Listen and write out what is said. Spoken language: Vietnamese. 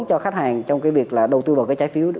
cho khách hàng trong cái việc là đầu tư vào cái trái phiếu đó